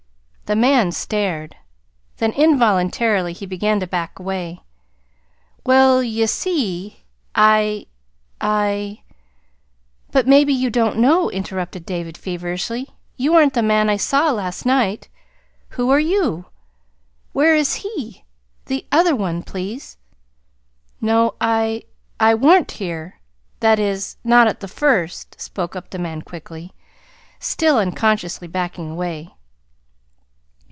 The man stared. Then, involuntarily, he began to back away. "Well, ye see, I I " "But, maybe you don't know," interrupted David feverishly. "You aren't the man I saw last night. Who are you? Where is he the other one, please?" "No, I I wa'n't here that is, not at the first," spoke up the man quickly, still unconsciously backing away.